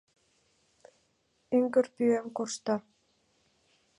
Ӱҥгыр пӱем коршта.